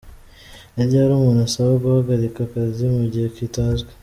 Ni ryari umuntu asaba guhagarika akazi mu gihe kitazwi?.